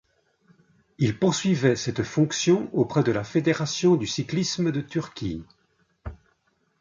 Il poursuivait cette fonction auprès de la fédération du cyclisme de Turquie.